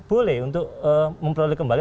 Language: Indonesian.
boleh untuk memperoleh kembali